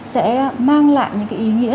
sẽ mang lại những cái ý nghĩa